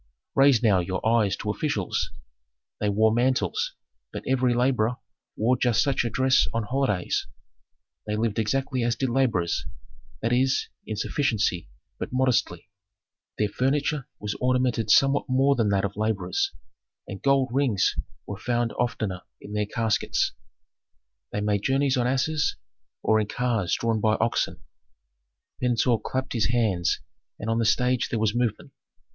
"Raise now your eyes to officials. They wore mantles, but every laborer wore just such a dress on holidays. They lived exactly as did laborers, that is, in sufficiency, but modestly. Their furniture was ornamented somewhat more than that of laborers, and gold rings were found oftener in their caskets. They made journeys on asses, or in cars drawn by oxen." Pentuer clapped his hands and on the stage there was movement.